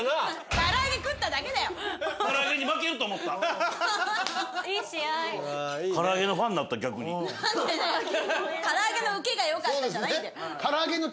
唐揚げの受けがよかったじゃないんだよ。